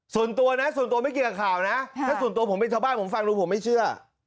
ส่วนตัวนะส่วนตัวไม่เกี่ยวกับข่าวนะถ้าส่วนตัวผมเป็นชาวบ้านผมฟังดูผมไม่เชื่อ